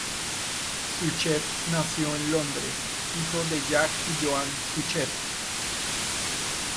Suchet nació en Londres, hijo de Jack y Joan Suchet.